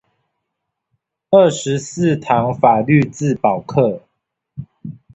二十四堂法律自保課